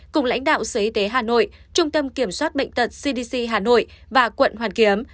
cùng lãnh đạo sở y tế hà nội trung tâm kiểm soát bệnh tật cdc hà nội và quận hoàn kiếm